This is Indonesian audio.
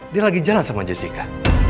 dia lagi jalan sama jessica